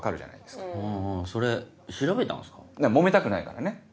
もめたくないからね。